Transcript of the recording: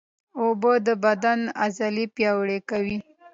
اوبه د بدن عضلې پیاوړې کوي